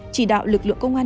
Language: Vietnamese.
chỉ đạo lực lượng công an